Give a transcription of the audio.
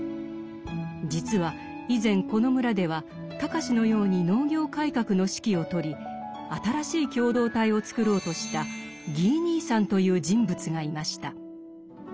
実は以前この村では隆のように農業改革の指揮をとり新しい共同体をつくろうとしたギー兄さんという人物がいました。